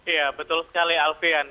ya betul sekali alfian